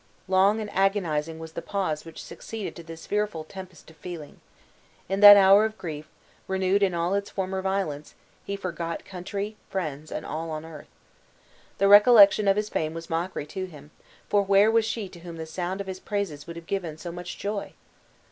Long and agonizing was the pause which succeeded to this fearful tempest of feeling. In that hour of grief, renewed in all its former violence, he forgot country, friends and all on earth. The recollection of his fame was mockery to him; for where was she to whom the sound of his praises would have given so much joy?